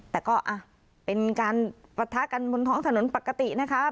แต่ก็เป็นการปะทะกันบนท้องถนนปกตินะคะ